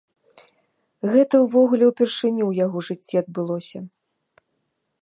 Гэта ўвогуле ўпершыню ў яго жыцці адбылося.